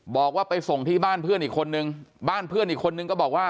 บอกว่าไปส่งที่บ้านเพื่อนอีกคนนึงบ้านเพื่อนอีกคนนึงก็บอกว่า